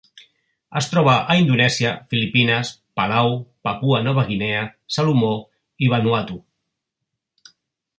Es troba a Indonèsia, Filipines, Palau, Papua Nova Guinea, Salomó i Vanuatu.